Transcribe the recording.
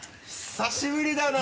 久しぶりだな。